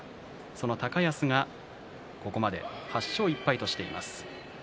その高安がここまで８勝１敗としています。